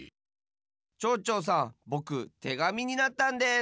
ちょうちょうさんぼくてがみになったんです。